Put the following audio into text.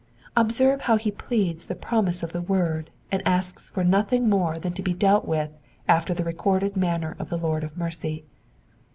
Observe how he pleads the promise of the word, and asks for nothing more than to be dealt with after the recorded manner of the Lord of mercy.